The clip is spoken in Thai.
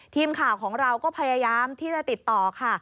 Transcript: ทีมข่าวของเราก็พยายามที่จะติดต่อค่ะ